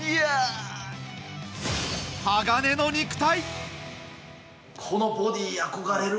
鋼の肉体！